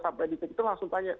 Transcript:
sampai di situ langsung tanya